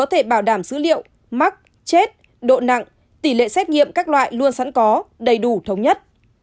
hiệu mắc chết độ nặng tỷ lệ xét nghiệm các loại luôn sẵn có đầy đủ thống nhất